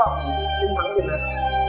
với khát vọng chứng thắng việt nam